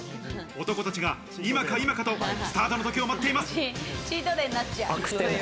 男たちが今か今かとスタートの時を待っています。